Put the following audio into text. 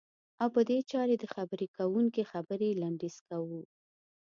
او په دې چارې د خبرې کوونکي خبرې لنډی ز کوو.